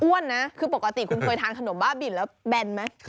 นะคือปกติคุณเคยทานขนมบ้าบินแล้วแบนไหม